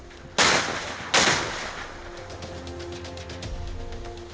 selanjutnya giliran pasukan marinir tni al